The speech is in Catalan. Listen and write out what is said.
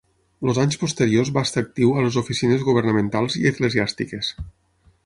Els anys posteriors va estar actiu a les oficines governamentals i eclesiàstiques.